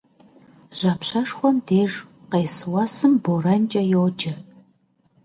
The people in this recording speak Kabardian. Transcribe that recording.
Жьапщэшхуэм деж къес уэсым борэнкӏэ йоджэ.